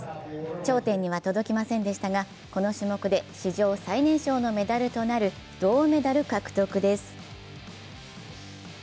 頂点には届きませんでしたがこの種目で史上最年少のメダルとなる銅メダル獲得で寸。